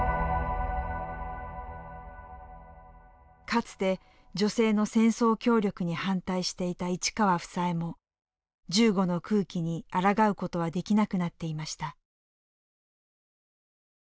かつて女性の戦争協力に反対していた市川房枝も銃後の空気にあらがうことはできなくなっていました。